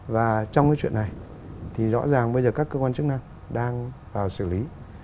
và trong cái chuyện này thì rõ ràng bây giờ các cơ quan chức năng đang vào xử lý